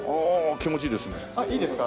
気持ちいいですね。